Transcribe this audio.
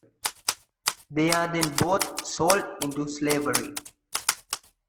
They are then both sold into slavery.